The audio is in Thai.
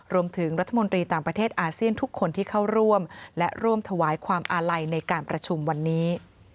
รวมถึงรัฐมนตรีต่างประเทศอาเซียนทุกคนที่เข้าร่วมและร่วมถวายความอาลัยในการประชุมวันนี้